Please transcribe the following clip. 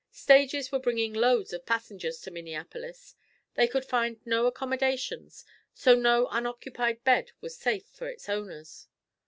Stages were bringing loads of passengers to Minneapolis. They could find no accommodations so no unoccupied bed was safe for its owners.